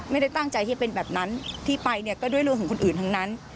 ไม่ได้ตั้งใจที่เป็นแบบนั้นที่ไปเนี่ยก็ด้วยเรื่องของคนอื่นทั้งนั้น